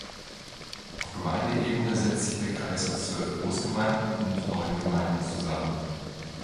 Auf Gemeindeebene setzt sich der Kreis aus zwölf Großgemeinden und neun Gemeinden zusammen.